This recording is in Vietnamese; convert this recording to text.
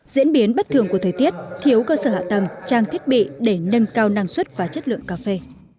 diễn biến bất thường của thời tiết thiếu cơ sở hạ tầng trang thiết bị để nâng cao năng suất và chất lượng cà phê